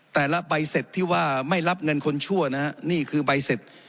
แต่ละใบเศษที่ว่าไม่รับเงินคนชั่วนะนี้คือใบเศษ